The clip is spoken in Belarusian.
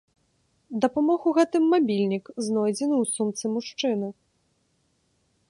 Дапамог у гэтым мабільнік, знойдзены ў сумцы мужчыны.